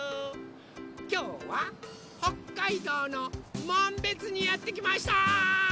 きょうはほっかいどうのもんべつにやってきました！